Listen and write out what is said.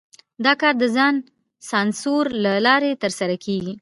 دا کار د ځان سانسور له لارې ترسره کېږي.